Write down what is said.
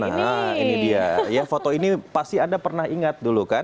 nah ini dia ya foto ini pasti anda pernah ingat dulu kan